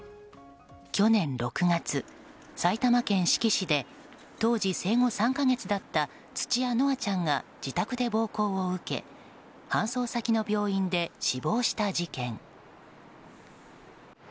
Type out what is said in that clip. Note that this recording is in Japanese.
去年６月、埼玉県志木市で当時、生後３か月だった土屋夢空ちゃんが自宅で暴行を受け搬送先の病院で死亡した事件。